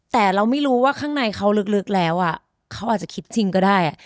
แต่เราไม่รู้ว่าข้างในเขาลึกแล้วเขาอาจจะคิดจริงก็ได้